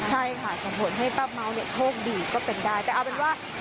ใช่ค่ะส่งผลให้ป้าเม้าเนี่ยโชคดีก็เป็นได้แต่เอาเป็นว่า